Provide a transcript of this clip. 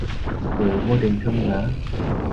Rồi vô tình thương nhớ